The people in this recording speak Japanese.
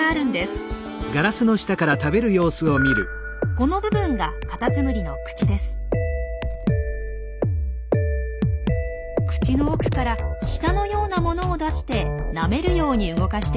口の奥から舌のようなものを出してなめるように動かしています。